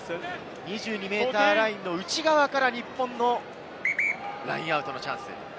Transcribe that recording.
２２ｍラインの内側から日本のラインアウトとチャンス。